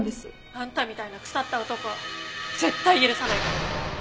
あんたみたいな腐った男絶対許さないから！